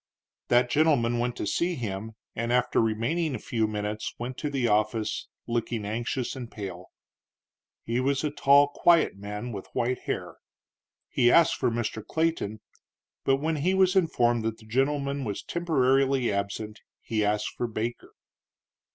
That gentleman went to see him, and after remaining a few minutes went to the office, looking anxious and pale. He was a tall, quiet man, with white hair. He asked for Mr. Clayton, but when he was informed that that gentleman was temporarily absent he asked for Baker.